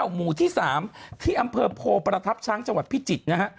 หมู่ที่๓ที่อำเภอโพประทับช้างจังหวัดพิจิตรนะฮะ